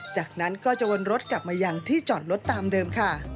จากนั้นก็จะวนรถกลับมายังที่จอดรถตามเดิมค่ะ